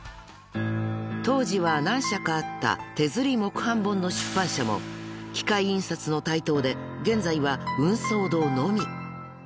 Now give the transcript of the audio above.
［当時は何社かあった手摺り木版本の出版社も機械印刷の台頭で現在は芸艸堂のみ］